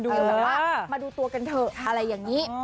ยังแบบว่ามาดูตัวกันเถอะอะไรอย่างนี้